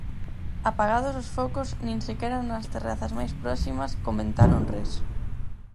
Apagados os focos, nin sequera nas terrazas máis próximas comentaron res.